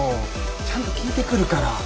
ちゃんと聞いてくるから。